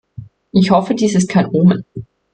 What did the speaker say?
Ich hoffe, dies ist kein Omen.